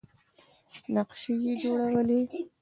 نقشې یې جوړولې.